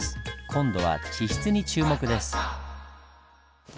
今度は地質に注目です。